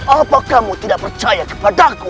apa kamu tidak percaya kepadaku